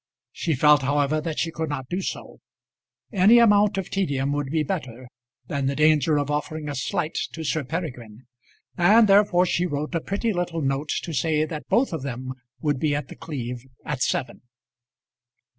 She felt, however, that she could not do so. Any amount of tedium would be better than the danger of offering a slight to Sir Peregrine, and therefore she wrote a pretty little note to say that both of them would be at The Cleeve at seven.